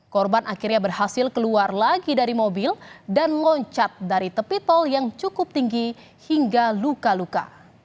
korban akhirnya berhasil keluar lagi dari mobil dan loncat dari tepi tol yang cukup tinggi hingga luka luka